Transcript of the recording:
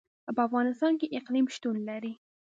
په افغانستان کې اقلیم شتون لري.